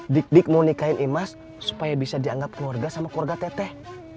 dik dik mau nikahin imas supaya bisa dianggap keluarga sama keluarga teteh